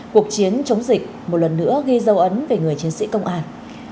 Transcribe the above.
cuộc chiến chống dịch một lần nữa ghi dấu ấn về người chiến sĩ công an